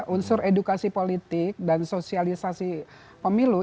unsur edukasi politik dan sosialisasi pemilu